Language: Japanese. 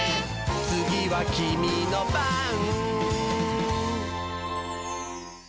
「つぎはキミのばん」